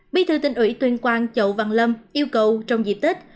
bí thư tỉnh ủy tuyên quang chậu văn lâm yêu cầu trong dịp tết